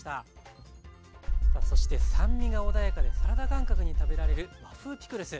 さあそして酸味が穏やかでサラダ感覚に食べられる和風ピクルス。